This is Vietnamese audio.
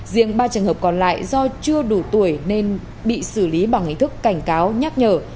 riêng ba trường hợp còn lại do chưa đủ tuổi nên bị xử lý bằng hình thức cảnh cáo nhắc nhở